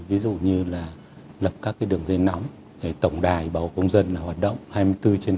ví dụ như là lập các đường dây nóng tổng đài bảo hộ công dân hoạt động hai mươi bốn trên bốn mươi